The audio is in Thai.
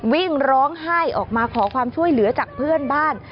วิ่งร้องไห้ออกมาขอความช่วยเหลือจากเพื่อนบ้าน